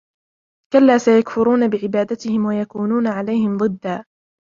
كلا سيكفرون بعبادتهم ويكونون عليهم ضدا